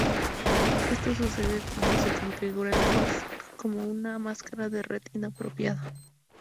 Esto sucede cuando se configura el "host" con una máscara de red inapropiada.